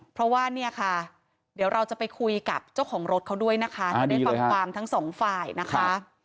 เพราะว่าเนี่ยค่ะเดี๋ยวเราจะไปคุยกับเจ้าของรถเขาด้วยนะคะถ้าได้ฟังความทั้งสองฝ่ายนะคะ